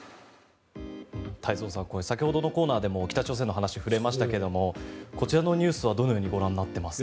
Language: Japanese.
太蔵さん先ほどのコーナーでも北朝鮮の話、触れましたがこちらのニュースはどのようにご覧になっていますか。